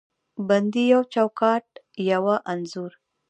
بندې یو چوکاټ، یوه انځور